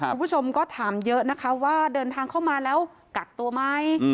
คุณผู้ชมก็ถามเยอะนะคะว่าเดินทางเข้ามาแล้วกักตัวไหม